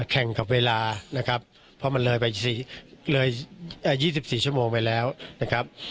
แข่งกับเวลานะครับเพราะมันเลยไปสี่เลยเอ่อยี่สิบสี่ชั่วโมงไปแล้วนะครับ